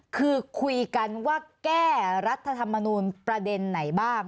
คือคุยกันว่าแก้รัฐธรรมนูลประเด็นไหนบ้าง